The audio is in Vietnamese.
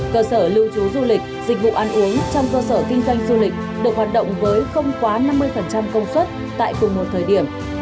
cơ sở lưu trú du lịch dịch vụ ăn uống trong cơ sở kinh doanh du lịch được hoạt động với không quá năm mươi công suất tại cùng một thời điểm